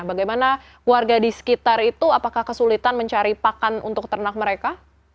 bagaimana warga di sekitar itu apakah kesulitan mencari pakan untuk ternak mereka